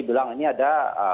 bilang ini ada